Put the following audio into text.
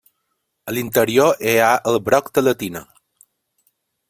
A l'interior hi ha el broc de la tina.